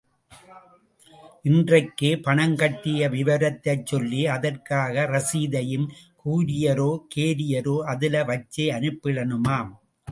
இன்றைக்கே பணம் கட்டிய விவரத்தைச் சொல்லி, அதற்காக ரசீதையும் கூரியரோ, கேரியரோ அதுல வச்சு அனுப்பிடனுமாம்.